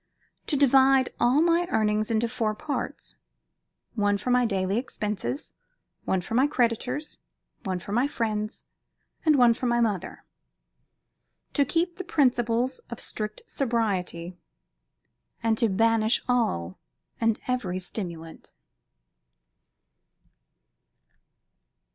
To divide all my earnings into four parts one for my daily expenses, one for my creditors, one for my friends, and one for my mother. To keep to principles of strict sobriety, and to banish all and every stimulant.